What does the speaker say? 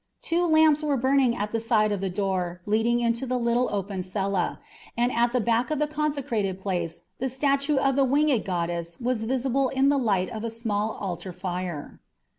Two lamps were burning at the side of the door leading into the little open cella, and at the back of the consecrated place the statue of the winged goddess was visible in the light of a small altar fire.